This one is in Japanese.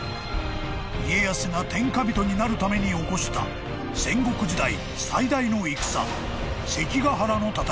［家康が天下人になるために起こした戦国時代最大の戦］